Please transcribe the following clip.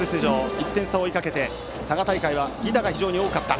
１点差を追いかけて佐賀大会は犠打が非常に多かった。